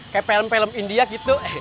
kayak film film india gitu